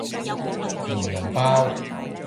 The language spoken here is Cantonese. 蓮蓉包